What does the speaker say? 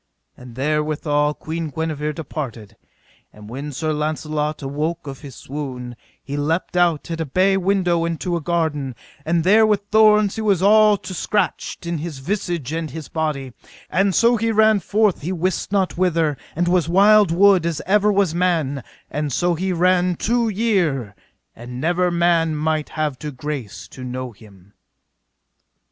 And therewithal Queen Guenever departed. And when Sir Launcelot awoke of his swoon, he leapt out at a bay window into a garden, and there with thorns he was all to scratched in his visage and his body; and so he ran forth he wist not whither, and was wild wood as ever was man; and so he ran two year, and never man might have grace to know him.